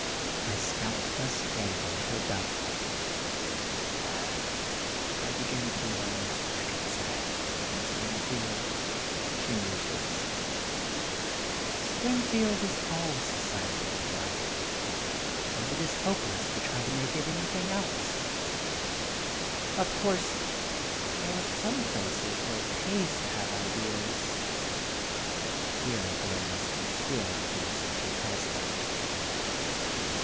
My scalp must dangle at her belt. *'I begin to be almost reconciled to living in Springfield, '' she muses, *' Springfield is all society, you know, and it is hopeless to try to make it anything else. Of course there are some places where it pays to have ideas, but here a girl must conceal ideas if she has them.''